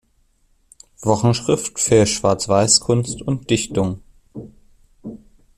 Wochenschrift für Schwarz-Weiß-Kunst und Dichtung".